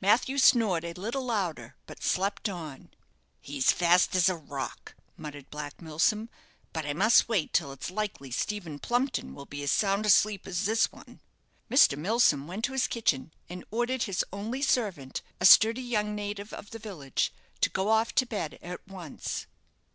Matthew snored a little louder, but slept on. "He's fast as a rock," muttered Black Milsom; "but I must wait till it's likely Stephen Plumpton will be as sound asleep as this one." Mr. Milsom went to his kitchen and ordered his only servant a sturdy young native of the village to go off to bed at once.